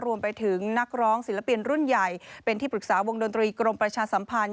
รวมไปถึงนักร้องศิลปินรุ่นใหญ่เป็นที่ปรึกษาวงดนตรีกรมประชาสัมพันธ์